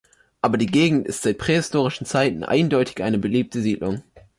Aber die Gegend ist seit prähistorischen Zeiten eindeutig eine beliebte Siedlung.